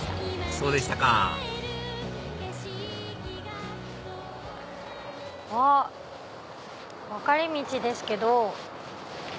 そうでしたかあっ分かれ道ですけど。